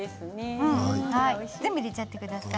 全部入れちゃってください。